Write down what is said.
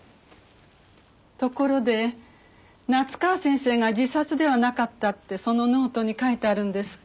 ところで夏河先生が自殺ではなかったってそのノートに書いてあるんですか？